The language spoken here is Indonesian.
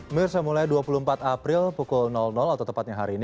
mirsa mulai dua puluh empat april pukul atau tepatnya hari ini